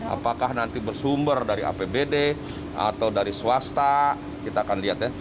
apakah nanti bersumber dari apbd atau dari swasta kita akan lihat ya